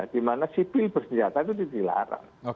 di mana sipil bersenjata itu ditilaran